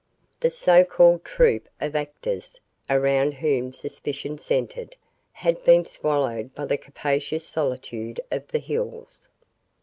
The so called troupe of actors, around whom suspicion centered, had been swallowed by the capacious solitude of the hills.